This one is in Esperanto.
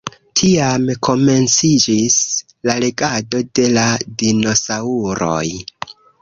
Tiam komenciĝis la regado de la dinosaŭroj.